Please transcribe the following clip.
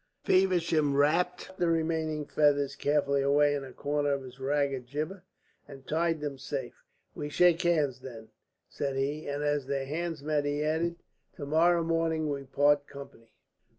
Feversham wrapped the remaining feathers carefully away in a corner of his ragged jibbeh and tied them safe. "We shake hands, then," said he; and as their hands met he added, "To morrow morning we part company."